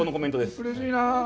うれしいなあ。